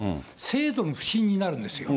制度の不信になるんですよ。